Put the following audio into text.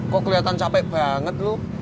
kok keliatan capek banget lu